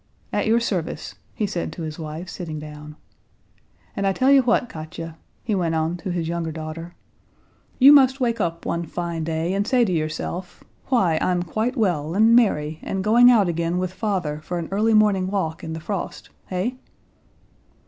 At your service," he said to his wife, sitting down. "And I tell you what, Katia," he went on to his younger daughter, "you must wake up one fine day and say to yourself: Why, I'm quite well, and merry, and going out again with father for an early morning walk in the frost. Hey?"